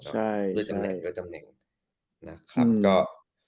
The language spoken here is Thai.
ใช่ใช่จำแหน่งหรือจำแหน่งนะครับอ่า